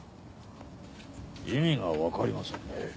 意味が分かりませんね